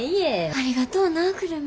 ありがとうな久留美。